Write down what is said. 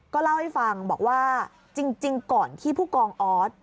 ก็เล่าให้ฟังบอกว่าจริงก่อนที่ผู้กองออส